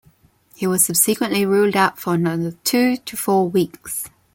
He was subsequently ruled out for another two to four weeks.